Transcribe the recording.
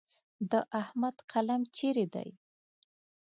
د احمد قلم چیرې دی؟